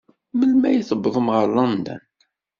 Melmi ay tuwḍemt ɣer London?